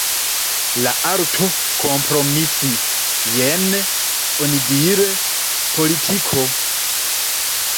La arto kompromisi: jen – onidire – politiko.